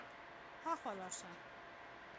هاخوا لاړ شه.